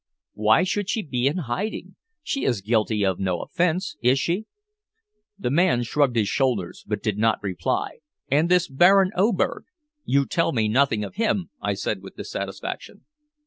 "Why should she be in hiding? She is guilty of no offense is she?" The man shrugged his shoulders, but did not reply. "And this Baron Oberg? You tell me nothing of him," I said with dissatisfaction.